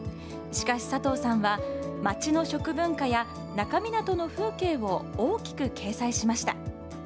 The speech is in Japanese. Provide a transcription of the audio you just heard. しかし佐藤さんは、町の食文化や那珂湊の風景を大きく掲載しました。